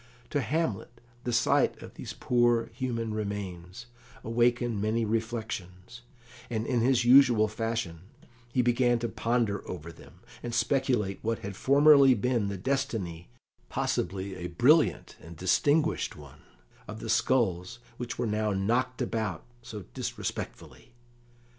To Hamlet the sight of these poor human remains awakened many reflections, and, in his usual fashion, he began to ponder over them, and speculate what had formerly been the destiny possibly a brilliant and distinguished one of the skulls which were now knocked about so disrespectfully.